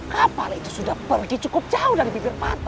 kapal itu sudah pergi cukup jauh dari bibir pantai